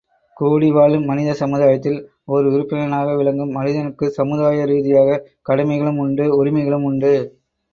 கூடிவாழும் மனித சமுதாயத்தில் ஓர் உறுப்பினனாக விளங்கும் மனிதனுக்குச் சமுதாய ரீதியாகக் கடமைகளும் உண்டு உரிமைகளும் உண்டு.